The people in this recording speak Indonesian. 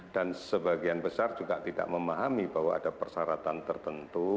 dan sebagian besar juga tidak memahami bahwa ada persyaratan tertentu